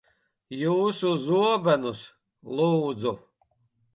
Jūsu zobenus, lūdzu.